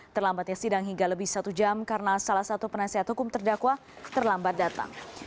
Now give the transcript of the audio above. terlambatnya sidang hingga lebih satu jam karena salah satu penasihat hukum terdakwa terlambat datang